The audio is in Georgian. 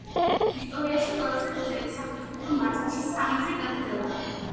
ისტორიაში ყველაზე გრძელი საფეხბურთო მატჩი სამი დღე გაგრძელდა.